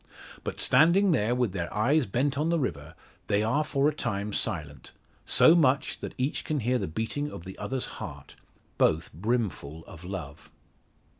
But standing there with their eyes bent on the river, they are for a time silent so much, that each can hear the beating of the other's heart both brimful of love.